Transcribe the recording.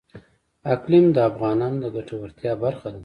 اقلیم د افغانانو د ګټورتیا برخه ده.